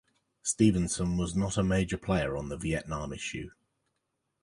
Stevenson was not a major player on the Vietnam issue.